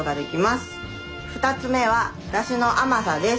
２つ目はだしの甘さです。